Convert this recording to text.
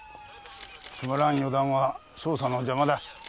つまらん予断は捜査の邪魔だ。